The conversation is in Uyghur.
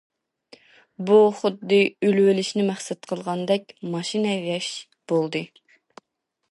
بۇ خۇددى ئۆلۈۋېلىشنى مەقسەت قىلغاندەك ماشىنا ھەيدەش بولدى.